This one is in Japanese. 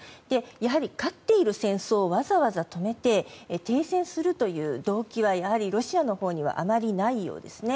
やはり勝っている戦争をわざわざ止めて停戦するという動機はやはりロシアのほうにはあまりないようですね。